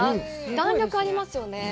弾力がありますよね。